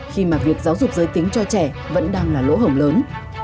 khi mà việc giáo dục giới tính cho trẻ vẫn đang là lỗ hổng lớn